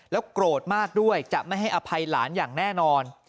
โกรธมากด้วยจะไม่ให้อภัยหลานอย่างแน่นอน